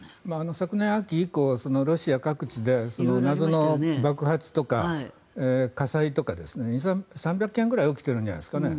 昨年秋以降ロシア各地で謎の爆発とか火災とか３００件くらい起きてるんじゃないですかね。